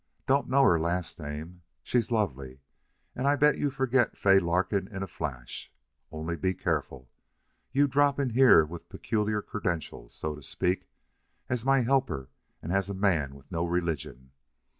Don't know her last name. She's lovely. And I'll bet you forget Fay Larkin in a flash. Only be careful. You drop in here with rather peculiar credentials, so to speak as my helper and as a man with no religion!